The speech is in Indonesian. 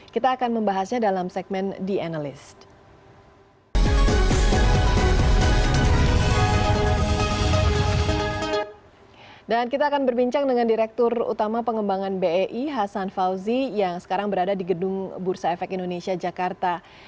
kita akan membahasnya dalam segmen the analyst